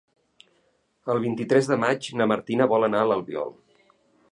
El vint-i-tres de maig na Martina vol anar a l'Albiol.